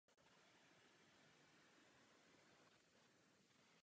Přednášel zároveň na univerzitě v Cardiffu.